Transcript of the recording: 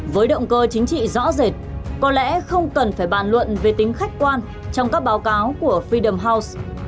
với động cơ chính trị rõ rệt có lẽ không cần phải bàn luận về tính khách quan trong các báo cáo của fidam house